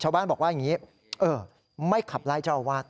ชาวบ้านบอกว่าอย่างนี้เออไม่ขับไล่เจ้าอาวาส